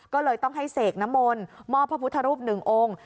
ก็เลยต้องให้เสกน้ำมนต์มอบพระพุทธรูปหนึ่งองค์